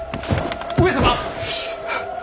上様？